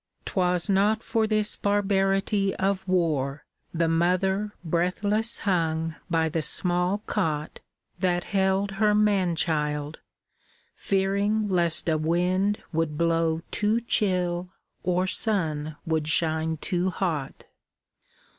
'Twas not for this barbarity of war The mother breathless hung by the small cot That held her man child, fearing lest a wind Would blow too chill, or sun would shine too hot.